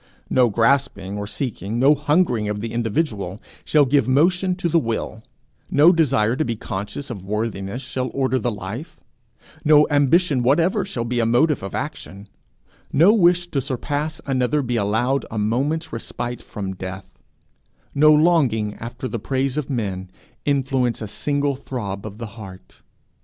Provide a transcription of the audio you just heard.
No grasping or seeking, no hungering of the individual, shall give motion to the will; no desire to be conscious of worthiness shall order the life; no ambition whatever shall be a motive of action; no wish to surpass another be allowed a moment's respite from death; no longing after the praise of men influence a single throb of the heart.